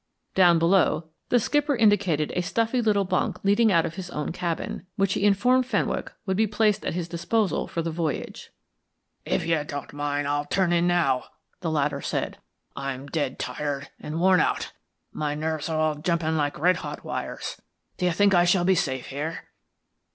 Down below, the skipper indicated a stuffy little bunk leading out of his own cabin, which he informed Fenwick would be placed at his disposal for the voyage. "If you don't mind I'll turn in now," the latter said. "I'm dead tired and worn out. My nerves are all jumping like red hot wires. Do you think I shall be safe here?"